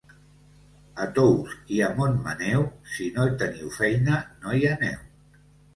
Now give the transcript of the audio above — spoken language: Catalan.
A Tous i a Montmaneu, si no hi teniu feina, no hi aneu.